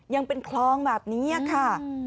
ยังเป็นคลองแบบนี้ค่ะ